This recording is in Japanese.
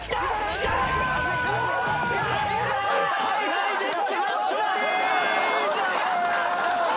来たー！ＨｉＨｉＪｅｔｓの勝利！